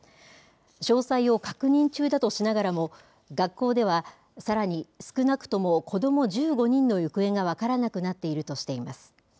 詳細を確認中だとしながらも、学校では、さらに少なくとも子ども１５人の行方が分からなくなっているとしています。